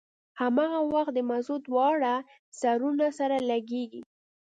هماغه وخت د مزو دواړه سرونه سره لګېږي.